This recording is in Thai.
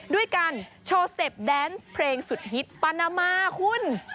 ด้วยการโชว์สเต็ปแดนซ์เพลงสุดฮิตปานามาคุณ